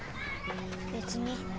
別に。